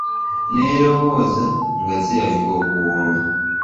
N'erowooza nga zirabika okuwooma.